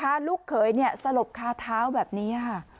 ว่าลูกเขยเนี่ยสลบคาเท้าแบบนี้